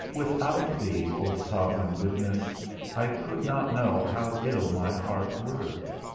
Without thee, O sovereign Goodness, I could not know how ill my heart were.